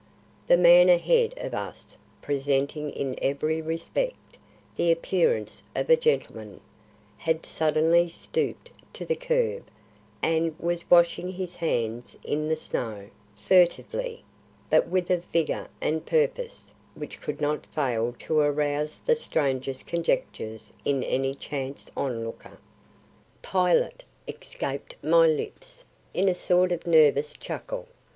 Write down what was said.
The man ahead of us, presenting in every respect the appearance of a gentleman, had suddenly stooped to the kerb and was washing his hands in the snow, furtively, but with a vigour and purpose which could not fail to arouse the strangest conjectures in any chance onlooker. "Pilate!" escaped my lips, in a sort of nervous chuckle.